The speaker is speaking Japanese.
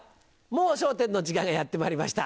『もう笑点』の時間がやってまいりました。